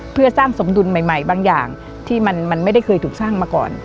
เพื่อสร้างสมดุลใหม่บางอย่างที่มันไม่ได้เคยถูกสร้างมาก่อน